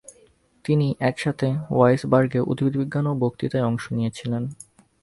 তিনি একসাথে ওয়ার্জবার্গে উদ্ভিদবিজ্ঞান এ বক্তৃতায় অংশ নিয়েছিলেন।